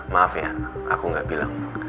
maaf ya aku nggak bilang